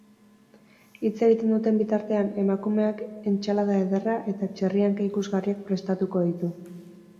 Hitz egiten duten bitartean, emakumeak entsalada ederra eta txerri-hanka ikusgarriak prestatuko ditu.